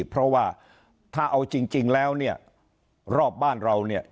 เพราะว่าถ้าเอาจริงแล้วเนี่ยรอบบ้านเราเนี่ย